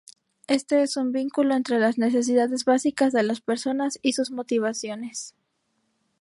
Este es un vínculo entre las necesidades básicas de las personas y sus motivaciones.